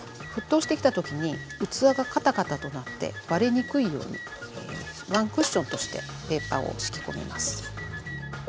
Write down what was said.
沸騰してきた時に器がカタカタとなって割れにくいようにワンクッションとしてペーパーを敷き込みます。